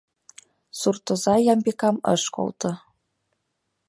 Суртоза Ямбикам ыш колто.